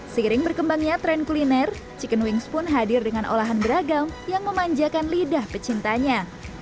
seiring berkembangnya tren kuliner chicken wings pun hadir dengan olahan beragam yang memanjakan lidah pecintanya